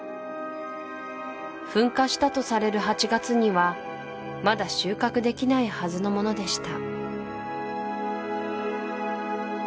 噴火したとされる８月にはまだ収穫できないはずのものでした